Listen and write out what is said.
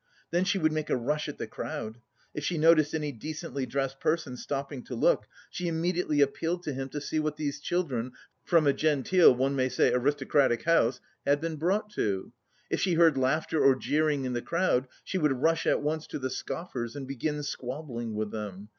Then she would make a rush at the crowd; if she noticed any decently dressed person stopping to look, she immediately appealed to him to see what these children "from a genteel, one may say aristocratic, house" had been brought to. If she heard laughter or jeering in the crowd, she would rush at once at the scoffers and begin squabbling with them.